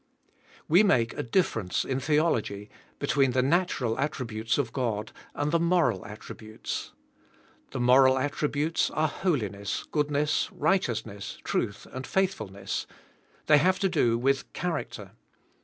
We make a difference, in theology, between the natural attributes of God and the moral atttributes. The moral attributes are holiness, goodness, righteous ness, truth and faithfulness. They have to do with . character.